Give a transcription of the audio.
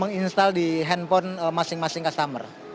menginstal di handphone masing masing customer